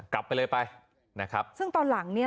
กลับไปเลยไปนะครับซึ่งตอนหลังเนี่ย